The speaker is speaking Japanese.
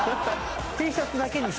Ｔシャツだけに。